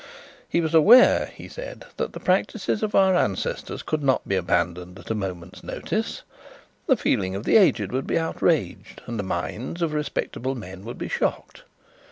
He was aware, he said, that the practices of our ancestors could not be abandoned at a moment's notice; the feelings of the aged would be outraged, and the minds of respectable men would be shocked.